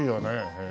へえ。